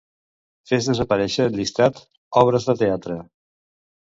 Fes desaparèixer el llistat "obres de teatre".